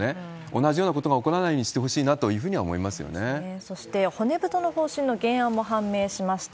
同じようなことが起こらないようにしてほしいなというふうには思そして、骨太の方針の原案も判明しました。